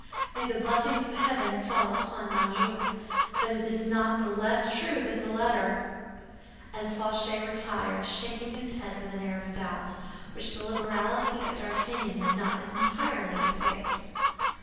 "May the blessings of heaven fall upon Monsieur! But it is not the less true that that letter—" And Planchet retired, shaking his head with an air of doubt, which the liberality of D'Artagnan had not entirely effaced.